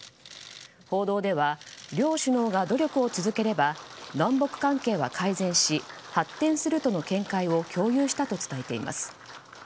報道では両首脳が努力を続ければ南北関係は改善し発展するとの見解を共有したと伝えています。